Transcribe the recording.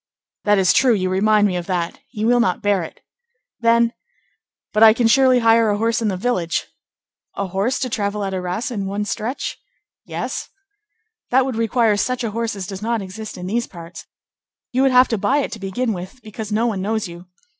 "That is true; you remind me of that; he will not bear it." "Then—" "But I can surely hire a horse in the village?" "A horse to travel to Arras at one stretch?" "Yes." "That would require such a horse as does not exist in these parts. You would have to buy it to begin with, because no one knows you.